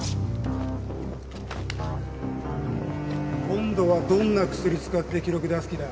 今度はどんな薬使って記録出す気だ？